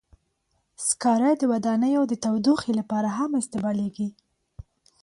سکاره د ودانیو د تودوخې لپاره هم استعمالېږي.